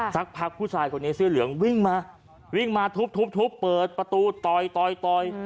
สักพักผู้ชายคนนี้เสื้อเหลืองวิ่งมาวิ่งมาทุบเปิดประตูต่อยต่อย